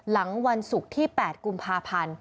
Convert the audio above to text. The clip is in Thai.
วันศุกร์ที่๘กุมภาพันธ์